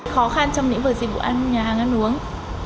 khó khăn trong những vợi dịch vụ nhà hàng ăn uống